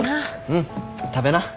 うん食べな。